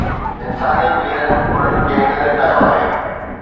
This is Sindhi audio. انساني پيرن ان کي نه لڪايو آهي